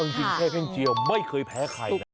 เอาจริงเทศเฮงเจียวไม่เคยแพ้ใคร